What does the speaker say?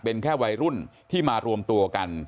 เป็นแค่วัยรุ่นที่มารวมตัวกัน